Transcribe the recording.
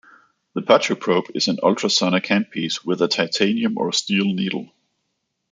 The phaco probe is an ultrasonic handpiece with a titanium or steel needle.